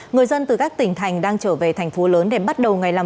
người dân từ các tỉnh thành đang trở về thành phố lớn để bắt đầu ngày làm